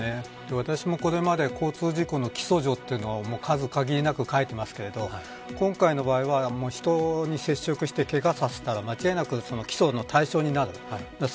私も、これまで交通事故の起訴状というのは数限りなく書いてますが今回の場合は人に接触してけがをさせたら間違いなく起訴の対象になります。